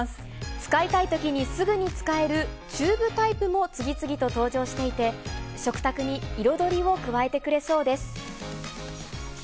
使いたいときにすぐに使えるチューブタイプも次々と登場していて、食卓に彩りを加えてくれそうです。